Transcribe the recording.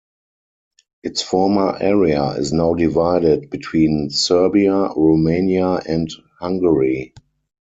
Its former area is now divided between Serbia, Romania and Hungary.